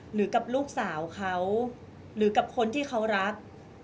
หรือกับลูกสาวเขาหรือกับคนที่เขารัก